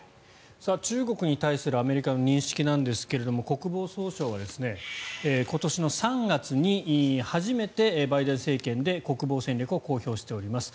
中国に対するアメリカの認識ですが国防総省は今年の３月に初めてバイデン政権で国防戦略を公表しております。